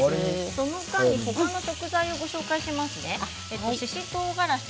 その間に他の食材をご紹介します。